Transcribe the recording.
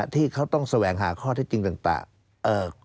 ที่เขาต้องแสวงหาข้อเท็จจริงต่าง